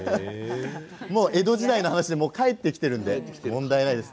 江戸時代の話でもう帰ってきているので問題ないです。